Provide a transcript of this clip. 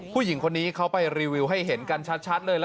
ผู้หญิงคนนี้เขาไปรีวิวให้เห็นกันชัดเลย